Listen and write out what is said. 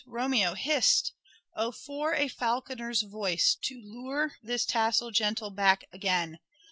Romeo hist 1 Oh for a falconer's voice To lure this tassel gentle back again.